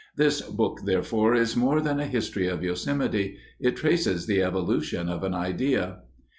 _ _This book, therefore, is more than a history of Yosemite. It traces the evolution of an idea.